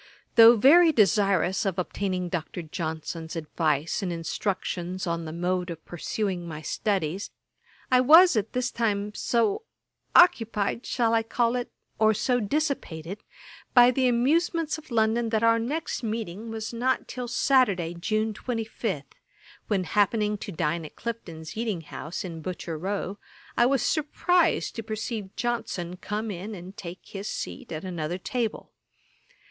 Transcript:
Though very desirous of obtaining Dr. Johnson's advice and instructions on the mode of pursuing my studies, I was at this time so occupied, shall I call it? or so dissipated, by the amusements of London, that our next meeting was not till Saturday, June 25, when happening to dine at Clifton's eating house, in Butcher row, I was surprized to perceive Johnson come in and take his seat at another table.